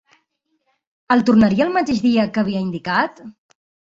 El tornaria el mateix dia que havia indicat?